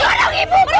jangan dorong ibuku